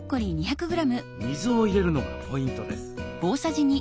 水を入れるのがポイントです。